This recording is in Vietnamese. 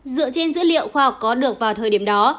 dựa trên dữ liệu khoa học có được vào thời điểm đó